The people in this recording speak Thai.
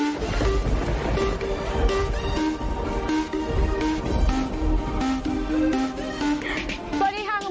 สวัสดีค่ะคุณผู้ชมค่ะรู้ก่อนรถหนาวย่ำ